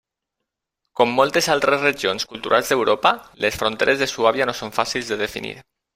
Com moltes altres regions culturals d'Europa, les fronteres de Suàbia no són fàcils de definir.